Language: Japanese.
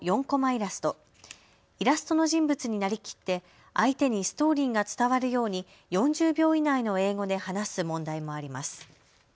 イラストの人物になりきって相手にストーリーが伝わるように４０秒以内の英語で話す問題もあります。